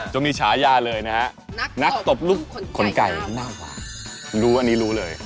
จะมีฉายาเลยนะฮะนักตบลูกขนไก่หน้าหวานรู้อันนี้รู้เลย